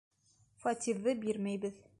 Фатирҙы бирмәйбеҙ!